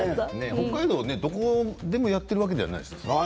北海道はどこでもやってるわけではないんですね。